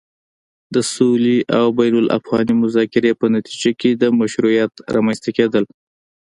د سولې او بين الافغاني مذاکرې په نتيجه کې د مشروعيت رامنځته کېدل